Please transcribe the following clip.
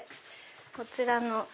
こちらの。